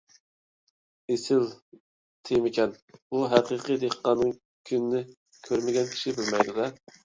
ئېسىل تېمىكەن! بۇ ھەقىقىي دېھقاننىڭ كۈنىنى كۆرمىگەن كىشى بىلمەيدۇ-دە.